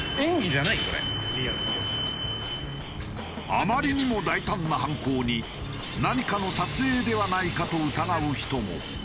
あまりにも大胆な犯行に何かの撮影ではないか？と疑う人も。